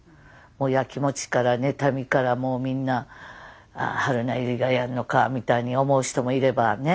もうやきもちから妬みからみんなああ榛名由梨がやるのかみたいに思う人もいればね